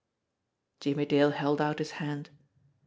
Jimmie Dale held out his hand.